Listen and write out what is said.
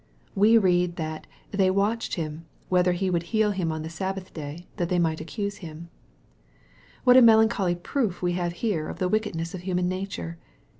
We read that " they watched Him, whether He would heal him, on the Sab bath day, that they might accuse Him/' What a melancholy proof we have here of the wicked ness of human nature